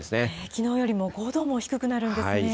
きのうよりも５度も低くなるんですね。